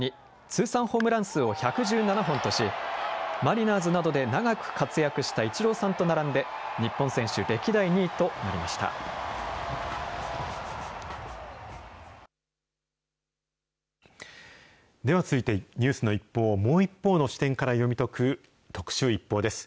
通算ホームラン数を１１７本とし、マリナーズなどで長く活躍したイチローさんと並んで、日本選手歴では続いて、ニュースを一報をもう一方の視点から読み解く特集ＩＰＰＯＵです。